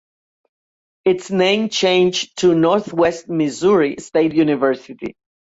Its name changed to Northwest Missouri State University.